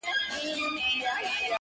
د زمانې په افسانو کي اوسېدلی چنار!!